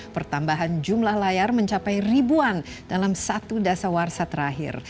pertambahan jumlah layar mencapai ribuan dalam satu dasar warsa terakhir